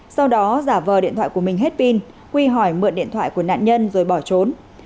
sau đó giả vờ điện thoại của mình hết pin huy hỏi mượn điện thoại của nạn nhân rồi bỏ trốn